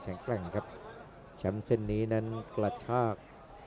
แข่งแรงครับแชมป์เซนนี้นั้นกละทาก